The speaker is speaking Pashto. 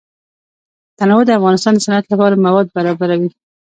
تنوع د افغانستان د صنعت لپاره مواد برابروي.